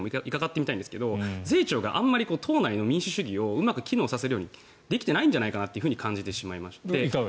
税調があまり党内の民主主義をうまく機能させるようにできていないんじゃないかと感じまして。